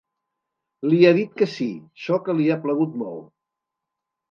Li ha dit que sí, ço que li ha plagut molt.